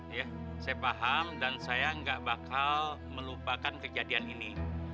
saya paham dan saya nggak bakal melupakan kejadian ini